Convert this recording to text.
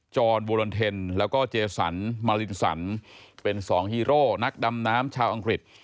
จรบูลอนเทนแล้วก็เจสันมารินสันเป็นสองฮีโร่นักดำน้ำชาวอังกฤษ